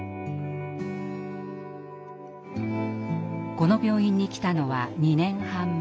この病院に来たのは２年半前。